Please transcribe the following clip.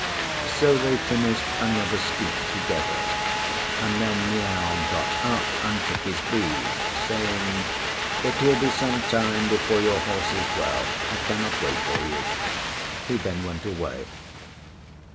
So they finished another stoup together, and then Miao got up and took his leave, saying, "It will be some time before your horse is well; I cannot wait for you." He then went away.